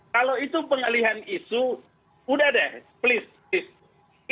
kalau itu pengalian isu sudah deh please